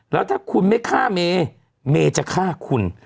แล้วถ้าคุณไม่ฆ่าเมย์เมย์จะฆ่าคุณ